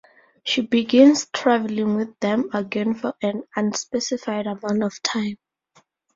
She begins travelling with them again for an unspecified amount of time.